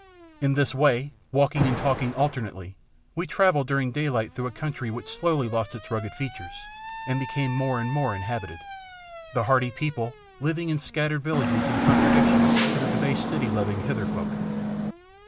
In this way, walking and talking alternately, we travelled during daylight through a country which slowly lost its rugged features and became more and more inhabited, the hardy people living in scattered villages in contradiction to the debased city loving Hither folk.